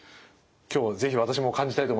今日是非私も感じたいと思います。